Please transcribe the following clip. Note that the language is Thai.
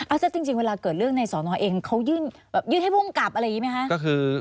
อ้าวถ้าเช่นจริงเวลาเกิดเรื่องในสนเองเขายื่นให้พุ่งกับมั้ยคะ